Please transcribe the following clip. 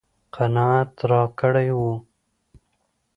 قناعت راکړی و.